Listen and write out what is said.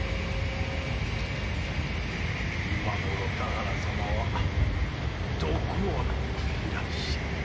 今ごろ田原様は毒をのんでいらっしゃる。